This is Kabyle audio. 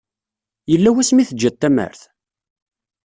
Yella wasmi teǧǧiḍ tamart?